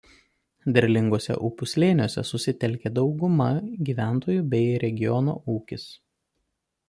Derlinguose upių slėniuose susitelkę dauguma gyventojų bei regiono ūkis.